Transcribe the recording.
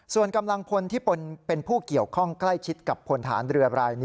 ส่วนกำลังผลที่เป็นผู้เกี่ยวกล้ายชิดกับผลทหารเรือ